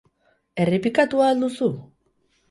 Errepikatu ahal duzu?